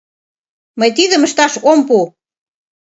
— Мый тидым ышташ ом пу!